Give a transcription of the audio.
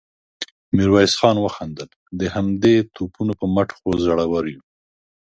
ميرويس خان وخندل: د همدې توپونو په مټ خو زړور يو.